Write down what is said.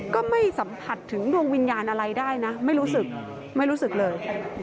ก็ไม่สัมผัสถึงดวงวิญญาณอะไรได้นะไม่รู้สึกไม่รู้สึกเลย